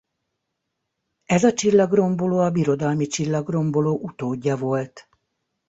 Ez a csillagromboló a Birodalmi csillagromboló utódja volt.